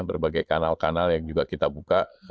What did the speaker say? berbagai kanal kanal yang juga kita buka